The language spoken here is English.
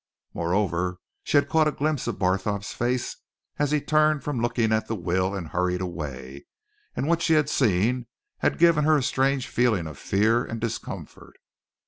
Moreover, she had caught a glimpse of Barthorpe's face as he turned from looking at the will and hurried away, and what she had seen had given her a strange feeling of fear and discomfort.